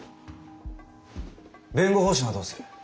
弁護方針はどうする？